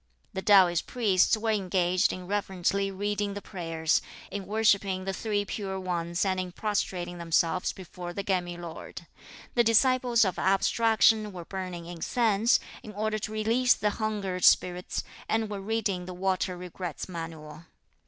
The Taoist priests were engaged in reverently reading the prayers; in worshipping the Three Pure Ones and in prostrating themselves before the Gemmy Lord. The disciples of abstraction were burning incense, in order to release the hungered spirits, and were reading the water regrets manual.